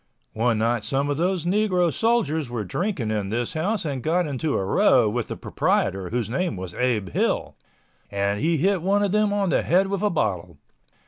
One night some of those negro soldiers were drinking in this house and got into a row with the proprietor, whose name was Abe Hill, and he hit one of them on the head with a bottle.